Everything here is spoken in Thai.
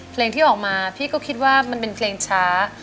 เพลงที่ออกมาพี่ก็คิดว่ามันเป็นเพลงช้า